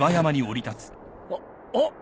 あっあっ！